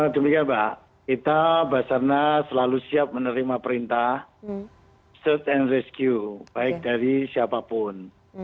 demikian mbak kita basarnas selalu siap menerima perintah search and rescue baik dari siapapun